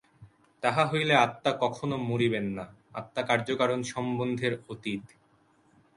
তাহা হইলে আত্মা কখনও মরিবেন না, আত্মা কার্যকারণ-সম্বন্ধের অতীত।